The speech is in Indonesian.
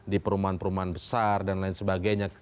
di perumahan perumahan besar dan lain sebagainya